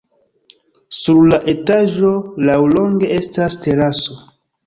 Sur la etaĝo laŭlonge estas teraso.